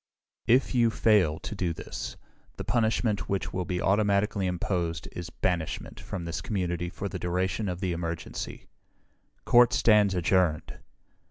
"If you fail to do this, the punishment which will be automatically imposed is banishment from this community for the duration of the emergency. "Court stands adjourned!"